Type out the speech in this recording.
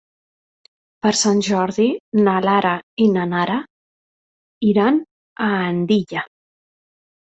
Per Sant Jordi na Lara i na Nara iran a Andilla.